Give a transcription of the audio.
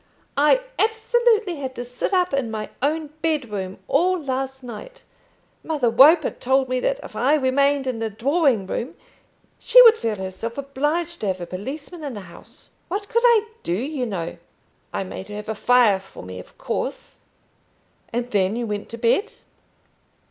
I absolutely had to sit up in my own bedroom all last night. Mother Roper told me that if I remained in the drawing room she would feel herself obliged to have a policeman in the house. What could I do, you know? I made her have a fire for me, of course." "And then you went to bed."